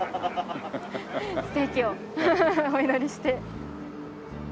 ステーキをお祈りして。